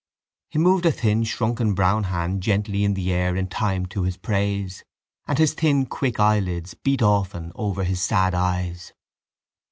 He moved a thin shrunken brown hand gently in the air in time to his praise and his thin quick eyelids beat often over his sad eyes.